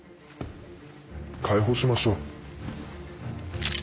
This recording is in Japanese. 解放しましょう。